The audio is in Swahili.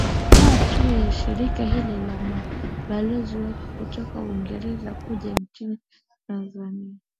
da tu ya shirika hili na mabalozi wake kutoka uingereza kuja nchini tanzania